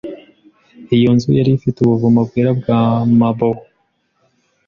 Iyo inzu yari ifite ubuvumo bwera bwa marble